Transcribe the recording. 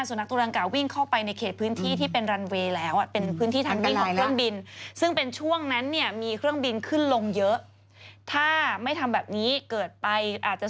๐สุดท้ายก็ยังไม่ได้ชอบปืนลมก็ยังไม่ได้